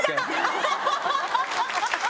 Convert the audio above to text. ハハハハ！